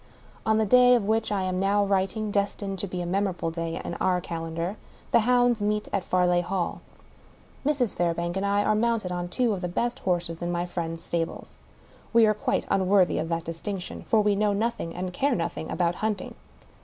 On the day of which I am now writing — destined to be a i|iemorable day in our calendar — the hounds meet at Far leigh Hall. Mrs. Fairbank and I are mounted on two of the best horses in my friend's stables. We are quite un worthy of that distinction ; for we know nothing and care •nothing about hunting.